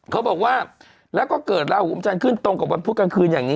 เขาบอกว่าแล้วก็เกิดลาหูมจันทร์ขึ้นตรงกับวันพุธกลางคืนอย่างนี้